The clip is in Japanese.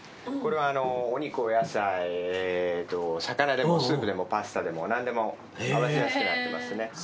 これはお肉お野菜魚でもスープでもパスタでも何でも合わせやすくなってますね。